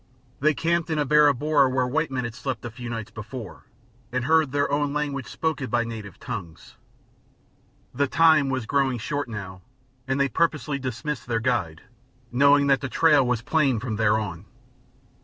They camped in a barabora where white men had slept a few nights before, and heard their own language spoken by native tongues. The time was growing short now, and they purposely dismissed their guide, knowing that the trail was plain from there on.